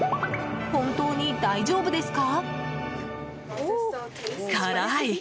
本当に大丈夫ですか？